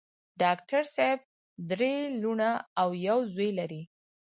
ډاکټر صېب درې لوڼه او يو زوے لري